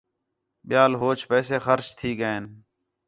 ٻِیال ہوچ پیسے خرچ تھی ڳئین